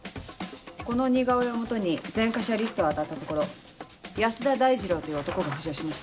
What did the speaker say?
この似顔絵を基に前科者リストを当たったところ安田大二郎という男が浮上しました。